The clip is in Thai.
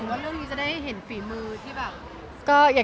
ว่าเรื่องนี้จะได้เห็นฝีมือที่แบบ